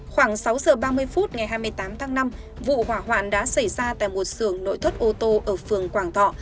khoảng sáu giờ ba mươi phút ngày hai mươi tám tháng năm vụ hỏa hoạn đã xảy ra tại một sưởng nội thất ô tô ở phường quảng thọ